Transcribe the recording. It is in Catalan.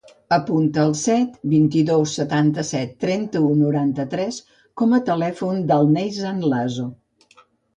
Apunta el set, vint-i-dos, setanta-set, trenta-u, noranta-tres com a telèfon del Neizan Laso.